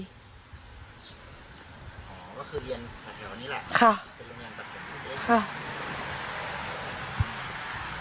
อ๋อก็คือเรียนแถวนี้แหละค่ะเป็นโรงเรียนตัดผมเล็กค่ะ